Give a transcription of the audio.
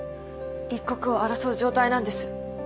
一刻を争う状態なんです。